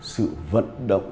sự vận động